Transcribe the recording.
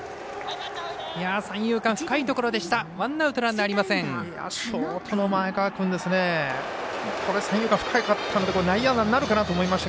三遊間深いところでした。